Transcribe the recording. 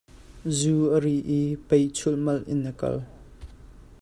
Zu a ri i pei chulhmalh in a kal.